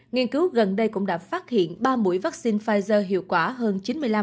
nghiên cứu gần đây cũng đã phát hiện ba mũi vaccine pfizer hiệu quả hơn chín mươi năm